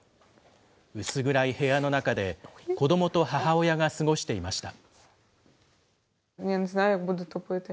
薄暗い部屋の中で子どもと母親が過ごしていました。